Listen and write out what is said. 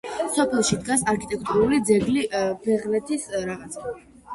სოფელში დგას არქიტექტურული ძეგლი ბეღლეთის წმინდა გიორგის ეკლესია.